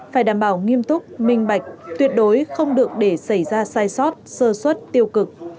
phải đảm bảo nghiêm túc minh bạch tuyệt đối không được để xảy ra sai sót sơ xuất tiêu cực